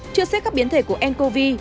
chưa xếp các biến thể của ncov